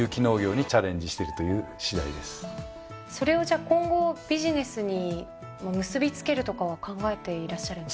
それを今後ビジネスにも結び付けるとかは考えていらっしゃるんですか？